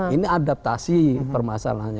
ini adaptasi permasalahannya